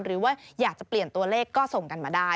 หรือว่าอยากจะเปลี่ยนตัวเลขก็ส่งกันมาได้